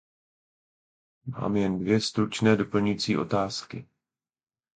Mám jen dvě stručné doplňující otázky.